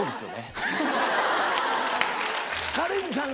カレンちゃん